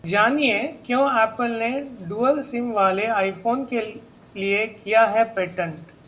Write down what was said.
जानिए क्यों Apple ने डुअल सिम वाले आईफोन के लिए किया है पेटेंट